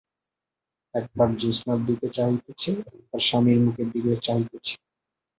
একবার জ্যোৎস্নার দিকে চাহিতেছে, একবার স্বামীর মুখের দিকে চাহিতেছে।